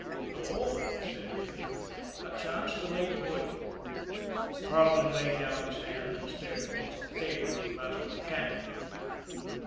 "No," said Regan. "A chance to make good." Carleton laid down his hand, and stared across the table at the master mechanic.